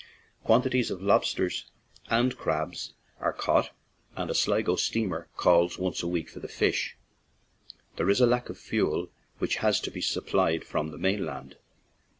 Quantities of lobsters and crabs are caught, and a Sligo steamer calls once a week for fish. There is a lack of fuel, which has to be supplied from the main land.